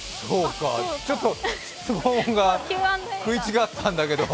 ちょっと質問が食い違ったんだけど。